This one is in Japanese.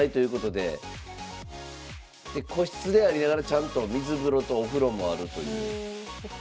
で個室でありながらちゃんと水風呂とお風呂もあるという。